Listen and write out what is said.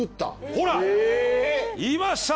ほらいました。